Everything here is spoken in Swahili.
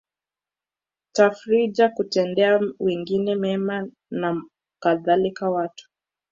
tafrija kutendea wengine mema na kadhalika Watu